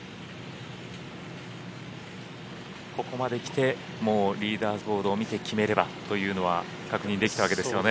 ここまで来てもうリーダーズボードを見て決めればというのは確認できたわけですよね。